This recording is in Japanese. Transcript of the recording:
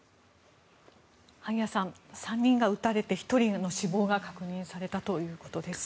萩谷さん、３人が撃たれて１人の死亡が確認されたということです。